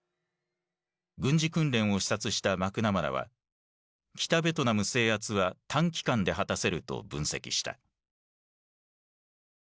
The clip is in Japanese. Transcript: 軍事訓練を視察したマクナマラは北ベトナム制圧は短期間で果たせると分析した。